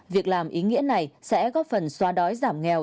việc làm ý nghĩa này sẽ góp phần xoa đói giảm nghèo